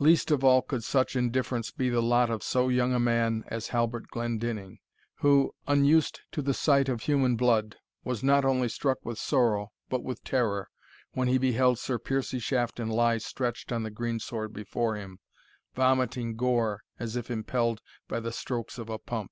Least of all could such indifference be the lot of so young a man as Halbert Glendinning, who, unused to the sight of human blood, was not only struck with sorrow, but with terror, when he beheld Sir Piercie Shafton lie stretched on the green sward before him, vomiting gore as if impelled by the strokes of a pump.